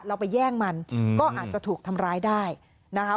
เราไปแย่งมันก็อาจจะถูกทำร้ายได้นะคะ